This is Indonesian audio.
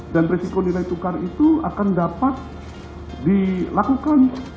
dan risiko nilai tukar itu akan dapat dilakukan